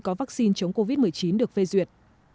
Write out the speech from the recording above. có vaccine chống covid một mươi chín được phê duyệt